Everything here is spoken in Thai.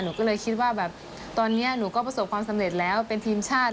หนูก็เลยคิดว่าแบบตอนนี้หนูก็ประสบความสำเร็จแล้วเป็นทีมชาติ